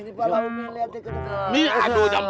liat di kedua dua